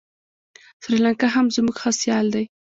سریلانکا هم زموږ ښه سیال دی.